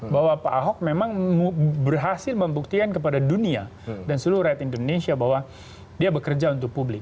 bahwa pak ahok memang berhasil membuktikan kepada dunia dan seluruh rakyat indonesia bahwa dia bekerja untuk publik